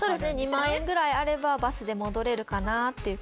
２万円ぐらいあればバスで戻れるかなっていう感じで。